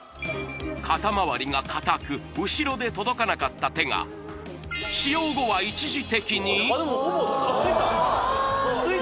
肩周りが硬く後ろで届かなかった手が使用後は一時的についた！